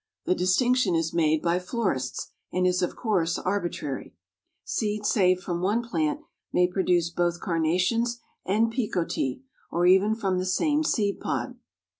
The distinction is made by florists, and is of course arbitrary. Seeds saved from one plant, may produce both Carnations and Picotee, or even from the same seed pod.